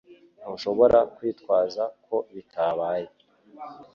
Ntushobora kwitwaza ko bitabaye